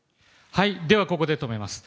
ではここで止めます。